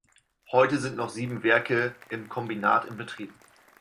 Heute sind noch sieben Werke im Kombinat in Betrieb.